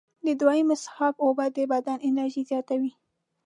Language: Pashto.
د دویمې څښاک اوبه د بدن انرژي زیاتوي.